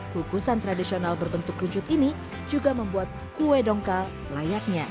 kukusan tradisional berbentuk rujut ini juga membuat kue dongkal layaknya